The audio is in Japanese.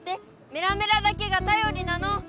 メラメラだけがたよりなの！